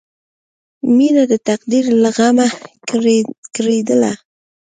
مینه د تقدیر له غمه کړېدله